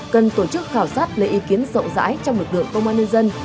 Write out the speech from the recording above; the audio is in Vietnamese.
cần tổ chức khảo sát lấy ý kiến rộng rãi trong lực lượng công an nhân dân